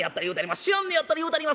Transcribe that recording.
知らんねやったら言うたります。